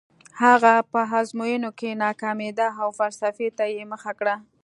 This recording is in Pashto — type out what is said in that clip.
هغه په ازموینو کې ناکامېده او فلسفې ته یې مخه کړه